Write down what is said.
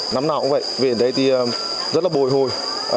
năm nào cũng vậy về đây thì rất là bồi hồi